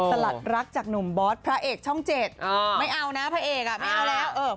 สลัดรักจากหนุ่มบอสพระเอกช่อง๗ไม่เอานะพระเอกอ่ะไม่เอาแล้ว